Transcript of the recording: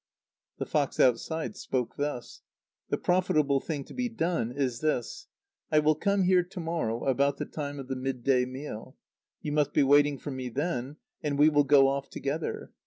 The fox outside spoke thus: "The profitable thing to be done is this. I will come here to morrow about the time of the mid day meal. You must be waiting for me then, and we will go off together.